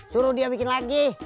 suruh dia bikin lagi